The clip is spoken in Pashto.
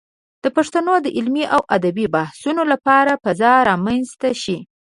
د پښتو د علمي او ادبي بحثونو لپاره فضا رامنځته شي.